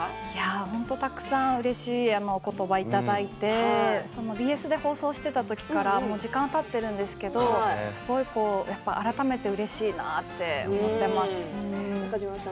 本当にたくさんうれしいお言葉をいただいてＢＳで放送していた時からもう時間はたっているんですけどすごい改めてうれしいなって思っています。